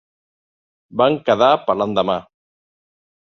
Vam quedar per a l'endemà.